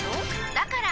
だから！